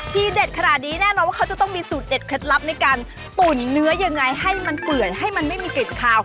เด็ดขนาดนี้แน่นอนว่าเขาจะต้องมีสูตรเด็ดเคล็ดลับในการตุ๋นเนื้อยังไงให้มันเปื่อยให้มันไม่มีกลิ่นคาว